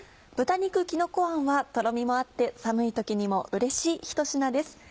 豚肉きのこあんはトロミもあって寒い時にもうれしいひと品です。